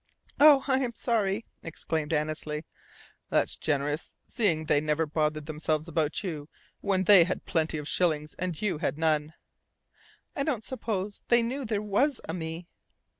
"Oh, I'm sorry!" exclaimed Annesley. "That's generous, seeing they never bothered themselves about you when they had plenty of shillings and you had none." "I don't suppose they knew there was a me."